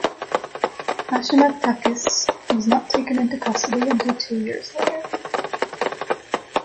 Ashima Takis was not taken into custody until two years later.